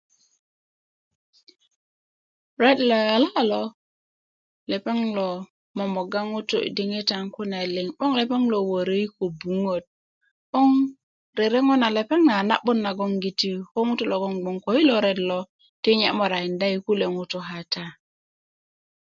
ret ló yolá ló lepeŋ ló momogá ŋutú i diŋita kune liŋ 'boŋ lopeŋ ló woro i ko'buŋät 'boŋ rereŋo na lepeŋ na a na 'but nagoŋ giti ko ŋutú lo gboŋ ko i lo ret ló tinye morakinda kulé ŋutú katá